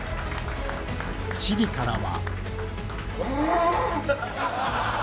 チリからは。